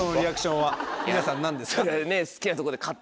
皆さん何ですか？